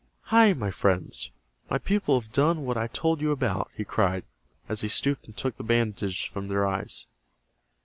"Hi, my friends, my people have done what I told you about," he cried, as he stooped and took the bandages from their eyes.